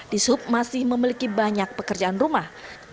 di sub masih memiliki banyak pekerjaan rumah